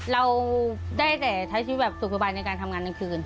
เราได้แต่ท้ายชีวิตแบบสุขภัยในการทำงานนั้นคืน